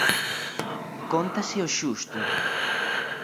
Cóntase o xusto.